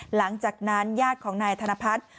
หลังจากนั้นญาติของนายธนพัฒน์